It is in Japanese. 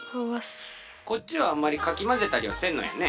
こっちはあんまりかきまぜたりはせんのやね？